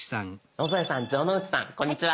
野添さん城之内さんこんにちは。